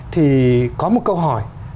thì có một câu hỏi